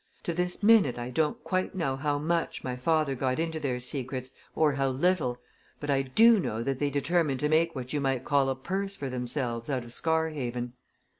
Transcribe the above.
To this minute, I don't quite know how much my father got into their secrets or how little, but I do know that they determined to make what you might call a purse for themselves out of Scarhaven.